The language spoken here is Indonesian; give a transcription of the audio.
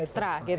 ekstra gitu ya